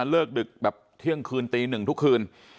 ดึกแบบเที่ยงคืนตีหนึ่งทุกคืน